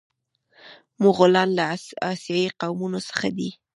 مغولان له اسیایي قومونو څخه دي.